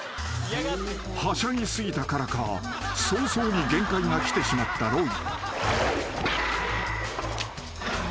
［はしゃぎ過ぎたからか早々に限界が来てしまったロイ］